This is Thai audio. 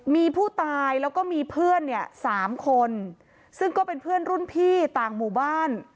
มีผู้ตายแล้วก็มีเพื่อนเนี่ยสามคนซึ่งก็เป็นเพื่อนรุ่นพี่ต่างหมู่บ้าน